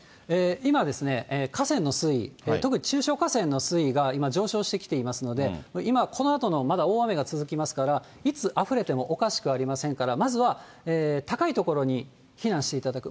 今、河川の水位、特に中小河川の水位が今、上昇してきてますので、このあとまだ大雨が続きますから、いつ、あふれてもおかしくありませんから、まずは高い所に避難していただく。